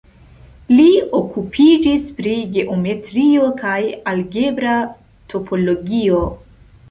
Li okupiĝis pri geometrio kaj algebra topologio.